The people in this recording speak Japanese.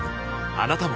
あなたも